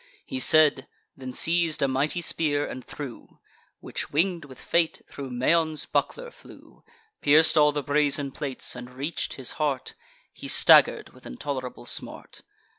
He said; then seiz'd a mighty spear, and threw; Which, wing'd with fate, thro' Maeon's buckler flew, Pierc'd all the brazen plates, and reach'd his heart: He stagger'd with intolerable smart.